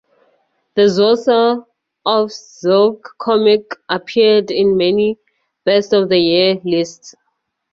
The Zaucer of Zilk comic appeared in many 'best of the year' lists.